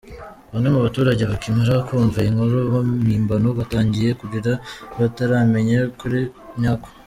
Bamwe mu baturage bakimara kumva iyi nkuru mpimbano btangiye kurira bataramenya ukuri nyako.